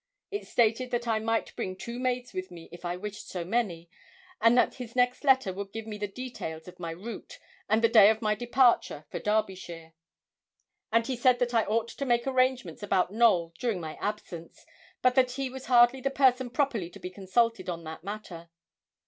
It stated that I might bring two maids with me if I wished so many, and that his next letter would give me the details of my route, and the day of my departure for Derbyshire; and he said that I ought to make arrangements about Knowl during my absence, but that he was hardly the person properly to be consulted on that matter.